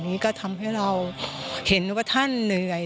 นี้ก็ทำให้เราเห็นว่าท่านเหนื่อย